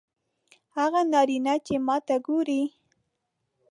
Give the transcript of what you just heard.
هغه نارینه چې ماته ګوري